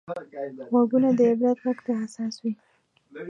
غوږونه د عبرت غږ ته حساس وي